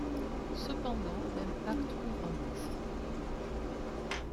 Cependant, l'impact ouvre un gouffre.